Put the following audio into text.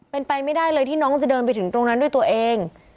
เป็นไปไม่ได้เลยที่น้องจะเดินไปถึงตรงนั้นด้วยตัวเอง